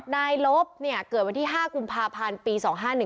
นายลบเนี่ยเกิดวันที่๕กุมภาพันธุ์ปี๒๕๑๕